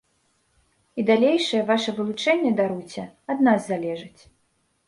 І далейшае ваша вылучэнне, даруйце, ад нас залежыць.